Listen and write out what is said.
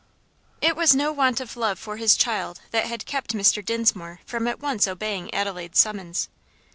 It was no want of love for his child that had kept Mr. Dinsmore from at once obeying Adelaide's summons.